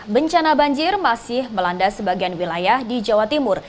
bencana banjir masih melanda sebagian wilayah di jawa timur